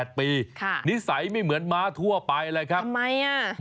นิสัยไม่เหมือนม้าทั่วไปเลยครับทำไมอ่ะ